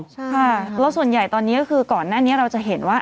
ใช่แล้วส่วนใหญ่ตอนนี้ก็คือก่อนหน้านี้เราจะเห็นว่า